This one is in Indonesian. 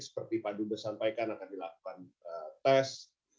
seperti pak dubes sampaikan akan dilakukan tes